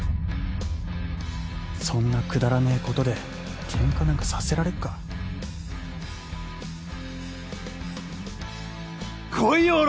そんなくだらねえことでケンカなんかさせられっか来いよオラ！